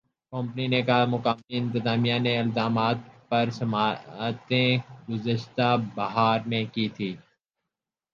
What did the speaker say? company نے کہا مقامی انتظامیہ نے الزامات پر سماعتیں گذشتہ بہار میں کی تھیں